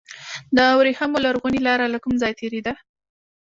د وریښمو لرغونې لاره له کوم ځای تیریده؟